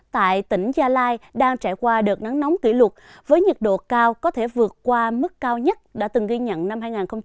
tại tỉnh gia lai đang trải qua đợt nắng nóng kỷ lục với nhiệt độ cao có thể vượt qua mức cao nhất đã từng ghi nhận năm hai nghìn hai mươi